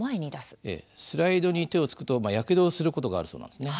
スライドに手をつくとやけどをすることがあるそうなんですね。